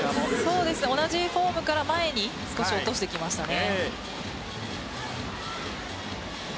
同じフォームから前に少し落としてきましたね。